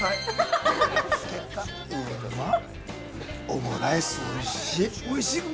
オムライス、おいし！